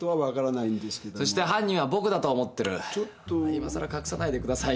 今更隠さないでくださいよ。